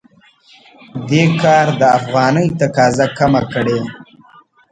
دې کار د افغانۍ تقاضا کمه کړې.